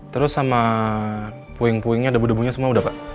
terus sama puing puingnya debu debunya semua udah pak